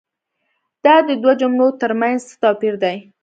دا دي دوو جملو تر منځ څه توپیر دی؟